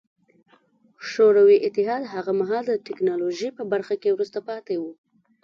شوروي اتحاد هغه مهال د ټکنالوژۍ په برخه کې وروسته پاتې و